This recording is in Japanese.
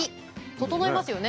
整いますよね。